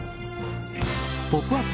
「ポップＵＰ！」